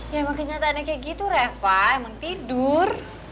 ya emang kenyataannya kayak gitu reva emang tidur